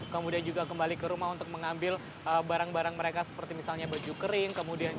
kemudian juga kembali ke rumah untuk mengambil barang barang mereka seperti misalnya baju kering